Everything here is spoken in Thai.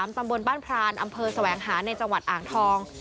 ตำบลบ้านพรานอำเภอแสวงหาในจังหวัดอ่างทอง